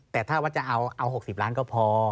แต่ถ้าว่าจะเอา๖๐ล้านก็พอ